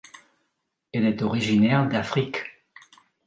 Elle est originaire d'Afrique.